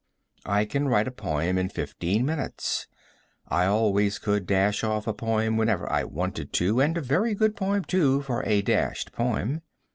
I can write a poem in fifteen minutes. I always could dash off a poem whenever I wanted to, and a very good poem, too, for a dashed poem.